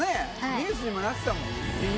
ニュースにもなってたもん。